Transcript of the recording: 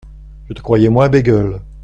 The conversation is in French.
Je te croyais moins bégueule.